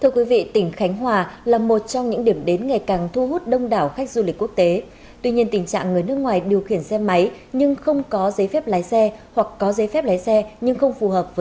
các bạn hãy đăng ký kênh để ủng hộ kênh của chúng mình nhé